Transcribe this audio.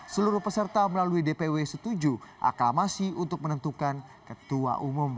seluruh peserta melalui dpw setuju aklamasi untuk menentukan ketua umum